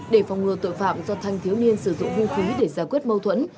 để phòng ngừa tội phạm do thanh thiếu niên sử dụng hung khí để giải quyết mâu thuẫn